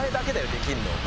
できんの。